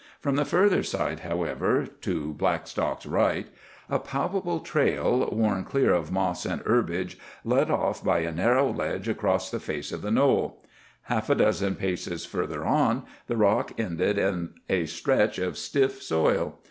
From the further side, however—to Blackstock's right—a palpable trail, worn clear of moss and herbage, led off by a narrow ledge across the face of the knoll. Half a dozen paces further on the rock ended in a stretch of stiff soil.